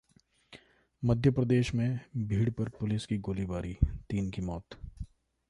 मध्य प्रदेश में भीड़ पर पुलिस की गोलीबारी, तीन की मौत